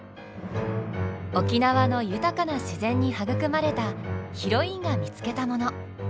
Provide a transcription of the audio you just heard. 沖縄の豊かな自然に育まれたヒロインが見つけたもの。